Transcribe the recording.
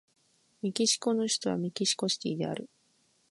メキシコの首都はメキシコシティである